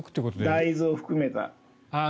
大豆を含めた。